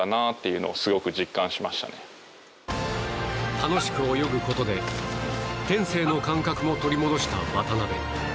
楽しく泳ぐことで天性の感覚も取り戻した渡辺。